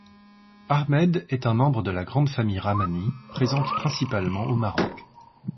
Ahmed est un membre de la grande famille Rahmani présente principalement au Maroc.